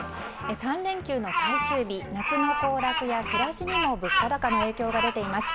３連休の最終日、夏の行楽や暮らしにも物価高の影響が出ています。